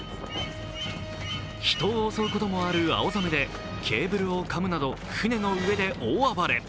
人を襲うこともあるアオザメでケーブルをかむなど、船の上で大暴れ。